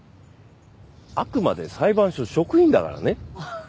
あくまで裁判所職員だからね。